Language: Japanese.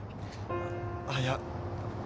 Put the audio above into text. あっいや。